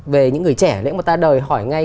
về những người trẻ lễ mà ta đòi hỏi ngay